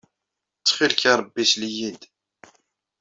Ttxil-k a Ṛebbi, sel-iyi-d!